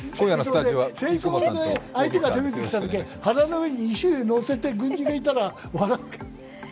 戦争で相手が攻めてきたって、腹の上に石を乗せてる軍人がいたら笑う。